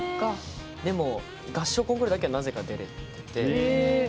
でも、合唱コンクールだけはなぜか出れて。